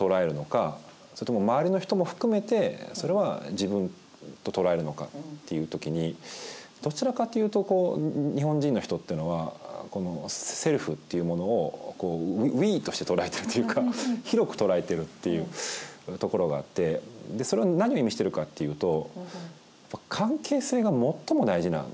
それとも周りの人も含めてそれは自分と捉えるのかというときにどちらかというと日本人の人っていうのは「Ｓｅｌｆ」っていうものを「Ｗｅ」として捉えてるっていうか広く捉えてるっていうところがあってそれは何を意味してるかっていうとやっぱ関係性が最も大事なんですよね。